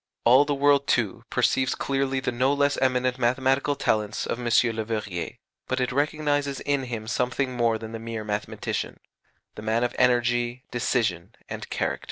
All the world, too, perceives clearly the no less eminent mathematical talents of M. Leverrier, but it recognizes in him something more than the mere mathematician the man of energy, decision, and character.